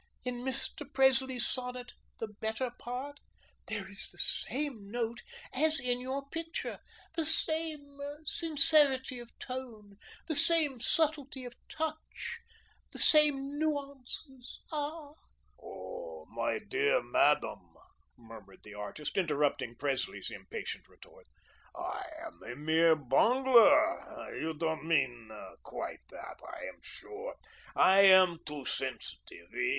In Mr. Presley's sonnet, 'The Better Part,' there is the same note as in your picture, the same sincerity of tone, the same subtlety of touch, the same nuances, ah." "Oh, my dear Madame," murmured the artist, interrupting Presley's impatient retort; "I am a mere bungler. You don't mean quite that, I am sure. I am too sensitive.